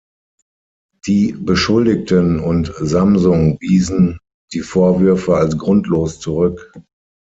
Die Beschuldigten und Samsung wiesen die Vorwürfe als grundlos zurück.